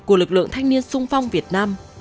của lực lượng thanh niên sung phong việt nam